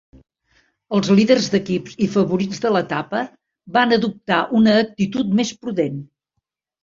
Els líders d'equips i favorits de l'etapa van adoptar una actitud més prudent.